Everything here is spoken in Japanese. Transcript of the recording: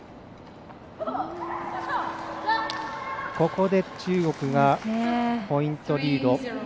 ここで、中国がポイントリード。